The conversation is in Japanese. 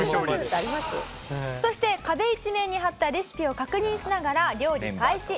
そして壁一面に貼ったレシピを確認しながら料理開始。